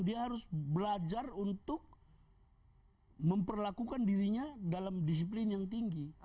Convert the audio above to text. dia harus belajar untuk memperlakukan dirinya dalam disiplin yang tinggi